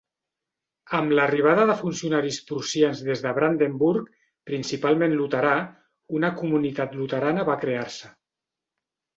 Amb l'arribada de funcionaris prussians des de Brandenburg, principalment luterà, una comunitat luterana va crear-se.